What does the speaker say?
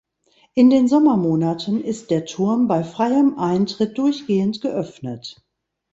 In den Sommermonaten ist der Turm bei freiem Eintritt durchgehend geöffnet.